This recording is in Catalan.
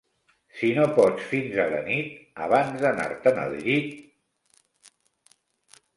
Si no pots fins a la nit, abans d'anar-te'n al llit...